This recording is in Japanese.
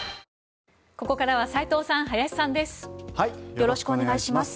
よろしくお願いします。